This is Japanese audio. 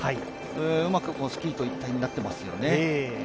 うまくスキーと一体になっていますよね。